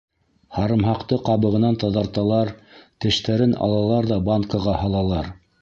Һарымһаҡты ҡабығынан таҙарталар, тештәрен алалар ҙа банкаға һалалар.